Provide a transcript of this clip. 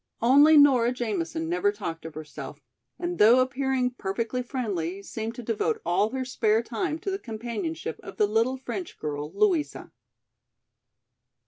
Only Nora Jamison never talked of herself, and though appearing perfectly friendly, seemed to devote all her spare time to the companionship of the little French girl, Louisa.